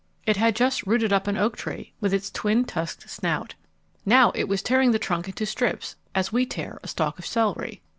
It had just rooted up an oak tree with its twin tusked snout. Now it was tearing the trunk into strips as we tear a stalk of celery.